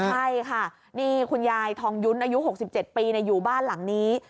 ใช่ค่ะนี่คุณยายทองยุ้นอายุ๖๗ปีอยู่บ้านหลังนี้